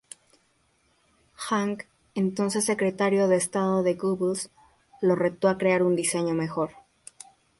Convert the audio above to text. Hanke, entonces Secretario de Estado de Goebbels, lo retó a crear un diseño mejor.